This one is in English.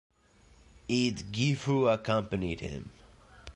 Eadgifu accompanied him.